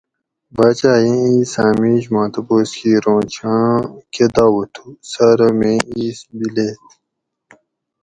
باچاۤ اِیں اِیساۤں مِیش ما تپوس کِیر اوں چھاں کہ دعوہ تھو؟ سہ ارو میں اِیس بِلیت